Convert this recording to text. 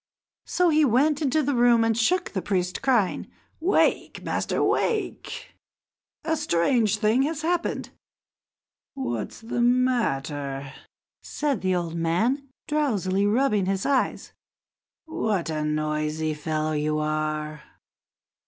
So he went into the room and shook the priest, crying: "Wake! Master, wake! A strange thing has happened." "What's the matter?" said the old man, drowsily rubbing his eyes, "what a noisy fellow you are!"